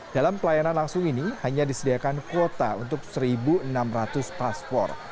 dalam pelayanan langsung ini hanya disediakan kuota untuk satu enam ratus paspor